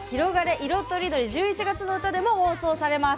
いろとりどり」１１月のうたでも放送されます。